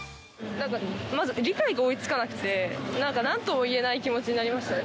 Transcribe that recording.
まず理解が追いつかなくて、なんか、なんとも言えない気持ちになりましたね。